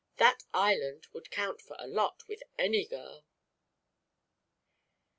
That island would count for a lot, with any girl!"